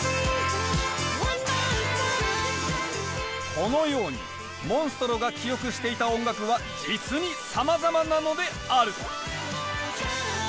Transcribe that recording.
このようにモンストロが記憶していた音楽は実にさまざまなのである！